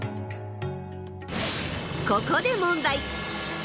ここで問題！